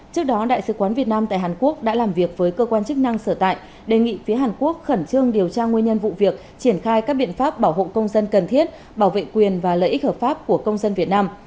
trước đó đại sứ quán việt nam tại hàn quốc đã làm việc với cơ quan chức năng sở tại đề nghị phía hàn quốc khẩn trương điều tra nguyên nhân vụ việc triển khai các biện pháp bảo hộ công dân cần thiết bảo vệ quyền và lợi ích hợp pháp của công dân việt nam